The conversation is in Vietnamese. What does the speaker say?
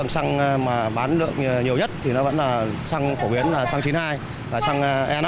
xăng mà bán lượng nhiều nhất thì nó vẫn là xăng phổ biến là xăng chín mươi hai và xăng e năm